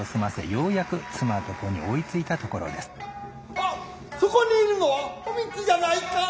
アッそこにいるのはお光じゃないか。